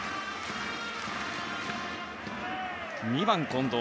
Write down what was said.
２番、近藤。